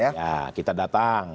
ya kita datang